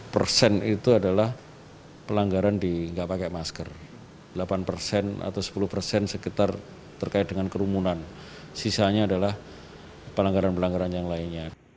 lima puluh persen itu adalah pelanggaran di nggak pakai masker delapan persen atau sepuluh persen sekitar terkait dengan kerumunan sisanya adalah pelanggaran pelanggaran yang lainnya